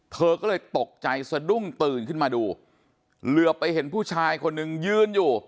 เธอก็เลยตกใจสะดุ้งตื่นขึ้นมาดูเหลือไปเห็นผู้ชายคนหนึ่งยืนอยู่